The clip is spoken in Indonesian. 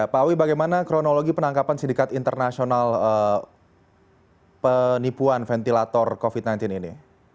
pak awi bagaimana kronologi penangkapan sindikat internasional penipuan ventilator covid sembilan belas ini